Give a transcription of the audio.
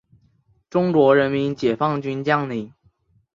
中国人民解放军将领。